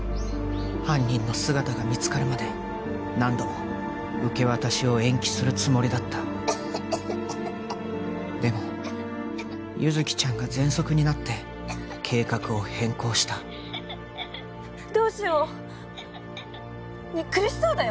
犯人の姿が見つかるまで何度も受け渡しを延期するつもりだったでも優月ちゃんがぜんそくになって計画を変更したどうしようねっ苦しそうだよ